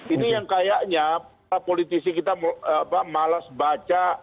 ini yang kayaknya politisi kita malas baca